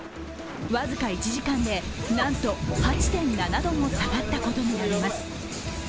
僅か１時間でなんと８．７度も下がったことになります。